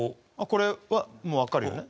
これはもうわかるよね？